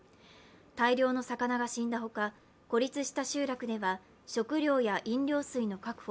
大量の魚が死んだほか、孤立した集落では食料や飲料水の確保